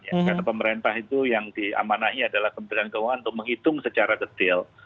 kata pemerintah itu yang diamanai adalah kementerian keuangan untuk menghitung secara detail